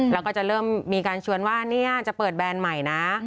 แล้วก็จะเริ่มมีการชวนว่าเนี่ยจะเปิดแบรนด์ใหม่นะ